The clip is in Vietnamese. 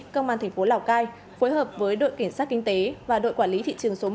công an thành phố lào cai phối hợp với đội cảnh sát kinh tế và đội quản lý thị trường số một